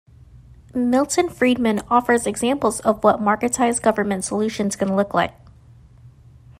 Milton Friedman offers examples of what marketized government solutions can look like.